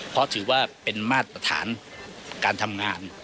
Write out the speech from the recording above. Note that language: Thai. เพราะถือว่าเป็นมาตรฐานการทำงาน